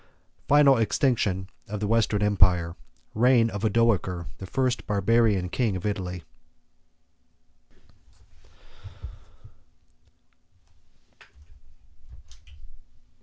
—Total Extinction Of The Western Empire.—Reign Of Odoacer, The First Barbarian King Of Italy.